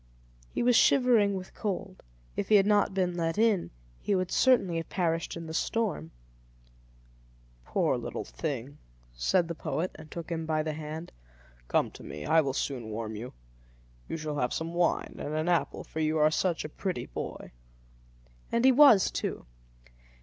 He was shivering with cold; if he had not been let in, he would certainly have perished in the storm. "Poor little thing!" said the poet, and took him by the hand. "Come to me; I will soon warm you. You shall have some wine and an apple, for you are such a pretty boy." And he was, too.